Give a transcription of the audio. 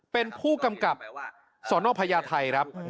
เป็นผู้กำกับสนพญาไทยครับ